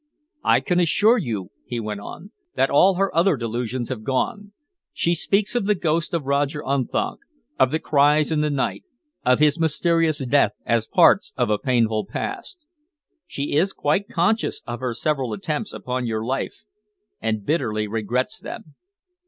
I can assure you," he went on, "that all her other delusions have gone. She speaks of the ghost of Roger Unthank, of the cries in the night, of his mysterious death, as parts of a painful past. She is quite conscious of her several attempts upon your life and bitterly regrets them.